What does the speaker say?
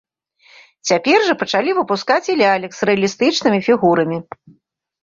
Цяпер жа пачалі выпускаць і лялек з рэалістычнымі фігурамі.